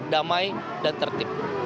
damai dan tertib